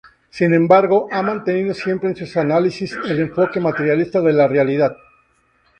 Sin embargo, ha mantenido siempre en sus análisis el enfoque materialista de la realidad.